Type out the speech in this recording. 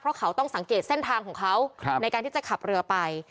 เพราะเขาต้องสังเกตเส้นทางของเขาในการที่จะขับเรือไป